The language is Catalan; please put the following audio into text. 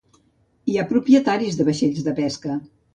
Hi ha propietaris de vaixells de pesca.